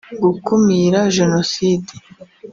gukumira jenoside